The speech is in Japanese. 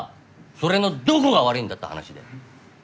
それのどこが悪いんだって話だよ。